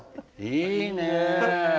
いいね。